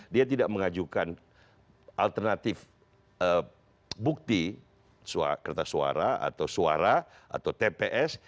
dia tidak mengajukan alternatif bukti kertas suara atau suara atau tps